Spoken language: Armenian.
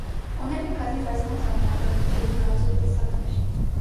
Ունեն մի քանի տասնյակ ժամանակակից և բրածո տեսակներ։